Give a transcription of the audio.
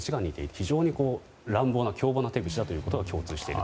非常に乱暴な凶暴な手口だということが共通しています。